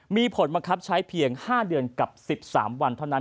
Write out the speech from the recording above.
มีผลบังคับใช้เพียง๕เดือนกับ๑๓วันเท่านั้น